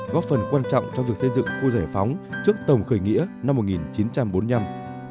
góp phần quan trọng cho việc xây dựng khu giải phóng trước tổng khởi nghĩa năm một nghìn chín trăm bốn mươi năm